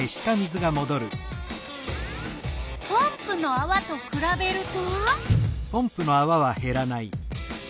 ポンプのあわとくらべると？